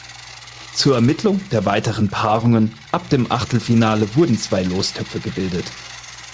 Zur Ermittlung der weiteren Paarungen ab dem Achtelfinale wurden zwei Lostöpfe gebildet.